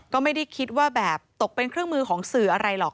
ก็ไม่ได้คิดว่าแบบตกเป็นเครื่องมือของสื่ออะไรหรอก